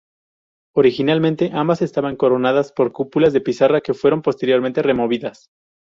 Originalmente ambas estaban coronadas por cúpulas de pizarra que fueron posteriormente removidas.